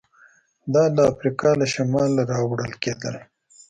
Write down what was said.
دا له افریقا له شماله راوړل کېدل